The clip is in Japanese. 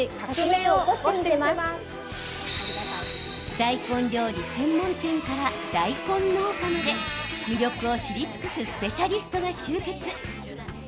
大根料理専門店から大根農家まで魅力を知り尽くすスペシャリストが集結。